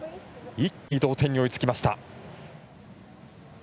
一気に同点に追いつきました。